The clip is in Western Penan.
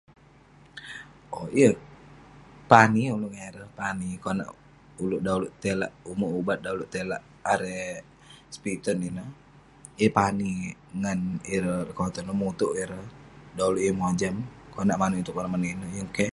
Owk, yeng pani ulouk ngan ireh. Pani konak ulouk tai lak ume ubat, dan tai lak erei sepiten ineh. Yeng pani ngan ireh lekoton, mutouk ireh dan ulouk yeng mojam. Konak manouk itouk, konak manouk ineh. Yeng keh.